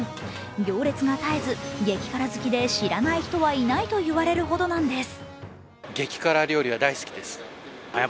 行列が絶えず激辛好きで知らない人はいないと言われるほどなんです。